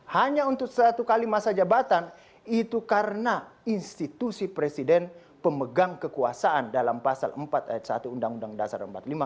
hanya untuk satu kali masa jabatan itu karena institusi presiden pemegang kekuasaan dalam pasal empat ayat satu undang undang dasar empat puluh lima